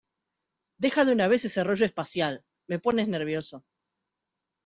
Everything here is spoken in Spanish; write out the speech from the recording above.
¡ Deja de una vez ese rollo espacial! Me pone nervioso.